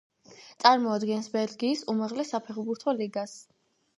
წარმოადგენს ბელგიის უმაღლეს საფეხბურთო ლიგას.